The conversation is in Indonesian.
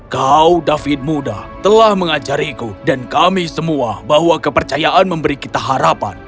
kau david muda telah mengajariku dan kami semua bahwa kepercayaan memberi kita harapan